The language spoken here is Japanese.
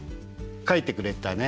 書いてくれたね